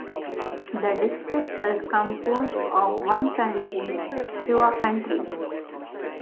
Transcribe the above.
The district is composed of one county: Chua County.